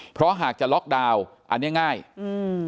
เพราะหากจะล็อกดาวน์อันเนี้ยง่ายอืม